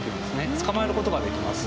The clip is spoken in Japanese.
捕まえることができます。